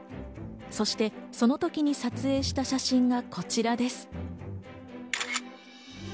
そしてその時に撮影した写真がこちらです。